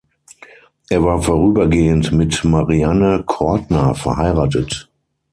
Er war vorübergehend mit Marianne Kortner verheiratet.